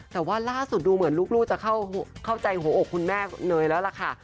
แต่ว่าล่าสุดดูเหมือนลูกจะเข้าใจหัวอกคุณแม่เนยแล้วล่ะค่ะ